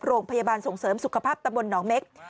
โรงพยาบาลส่งเสริมสุขภาพตำบลหนองเม็ก